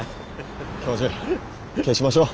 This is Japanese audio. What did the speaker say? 教授消しましょう。